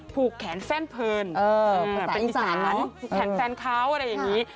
ผูกแขนแฟนเพิร์นแขนแฟนเขาอะไรอย่างนี้